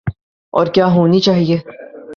اور کیا ہونی چاہیے۔